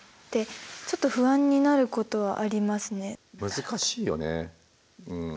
難しいよねうん。